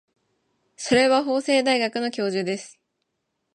それは法政大学の教授です。